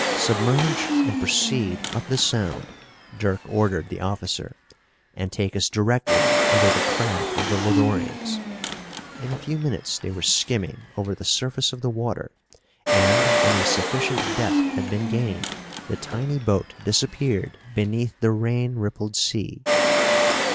"Submerge and proceed up the Sound," Dirk ordered the officer, "and take us directly under the craft of the Lodorians." In a few minutes they were skimming over the surface of the water and, when a sufficient depth had been gained, the tiny boat disappeared beneath the rain rippled sea.